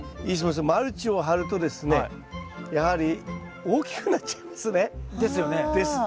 マルチを張るとですねやはり大きくなっちゃうんですね。ですよね。